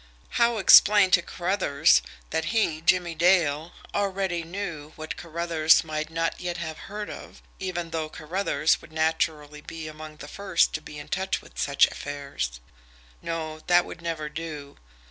How explain to Carruthers that he, Jimmie Dale, already knew what Carruthers might not yet have heard of, even though Carruthers would naturally be among the first to be in touch with such affairs! No; that would never do.